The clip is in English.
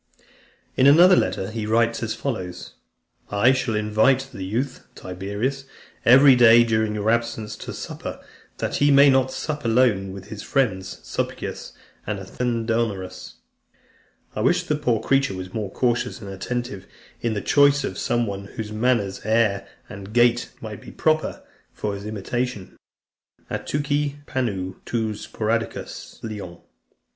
In another letter, he writes as follows: "I shall invite: the youth, Tiberius, every day during your absence, to supper, that he may not sup alone with his friends Sulpicius and Athenodorus. I wish the poor creature was more cautious and attentive in the choice of some one, whose manners, air, and gait might be proper for his imitation: Atuchei panu en tois spoudaiois lian.